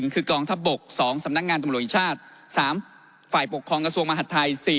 ๑กองทับบก๒สำนักงานตรวจชาติ๓ฝ่ายปกครองกระทรวงมหัฒน์ไทย